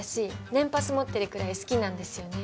年パス持ってるくらい好きなんですよね